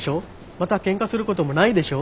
またケンカすることもないでしょ？